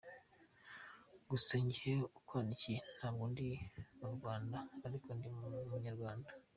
Gusa jye ukwandikiye ntabwo ndi mu Rwanda arko ndi umunyarwanda.